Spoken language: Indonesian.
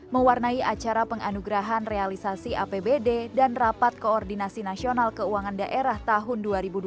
mewarnai acara penganugerahan realisasi apbd dan rapat koordinasi nasional keuangan daerah tahun dua ribu dua puluh